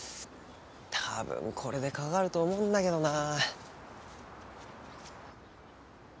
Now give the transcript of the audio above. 多分これでかかると思うんだけどな。